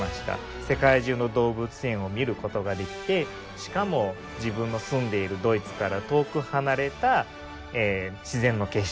世界中の動物園を見ることができてしかも自分の住んでいるドイツから遠く離れた自然の景色。